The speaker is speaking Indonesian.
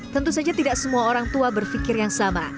tentu saja tidak semua orang tua berpikir yang sama